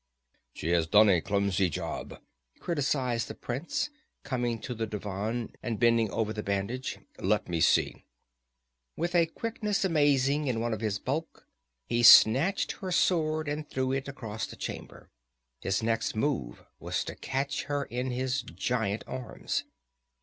"She has done a clumsy job," criticized the prince, coming to the divan and bending over the bandage. "Let me see " With a quickness amazing in one of his bulk he snatched her sword and threw it across the chamber. His next move was to catch her in his giant arms.